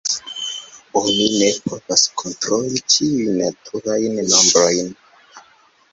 Oni ne povas kontroli ĉiujn naturajn nombrojn.